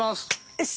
よし！